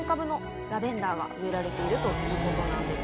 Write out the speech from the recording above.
が植えられているということなんです。